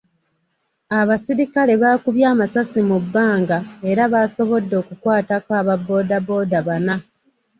Abasirikale baakubye amasasi mu bbanga era baasobodde okukwatako aba bbooda bbooda bana.